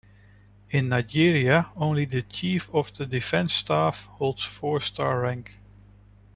In Nigeria, only the Chief of the Defence Staff holds four-star rank.